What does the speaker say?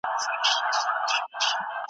دا هغه زلمی امام دی چي الله را پېرزو کړی .